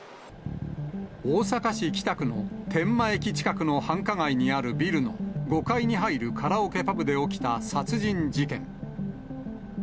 大阪市北区の天満駅近くの繁華街にあるビルの５階に入るカラオケパブで起きた殺人事件。